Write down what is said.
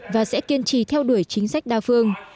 và sẽ kiên trì theo đuổi chính sách đa phương